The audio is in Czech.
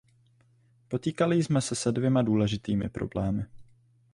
Potýkali jsme se se dvěma důležitými problémy.